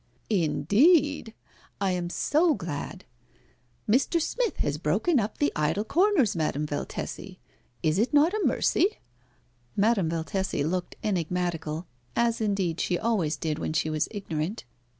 "Indeed! I am so glad. Mr. Smith has broken up the idle corners, Madame Valtesi. Is it not a mercy?" Madame Valtesi looked enigmatical, as indeed she always did when she was ignorant.